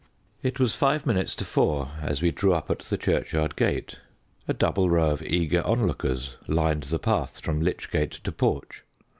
It was five minutes to four as we drew up at the churchyard gate. A double row of eager on lookers lined the path from lychgate to porch.